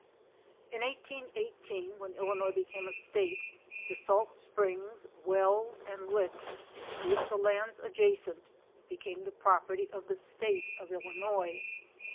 In 1818, when Illinois became a state, the salt springs, wells and licks, with the lands adjacent, became the property of the State of Illinois.